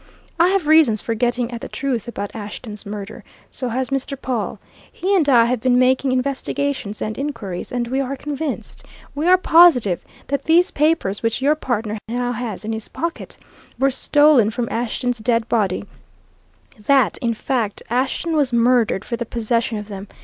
I have reasons for getting at the truth about Ashton's murder so has Mr. Pawle. He and I have been making investigations and inquiries, and we are convinced, we are positive, that these papers which your partner now has in his pocket were stolen from Ashton's dead body that, in fact, Ashton was murdered for the possession of them.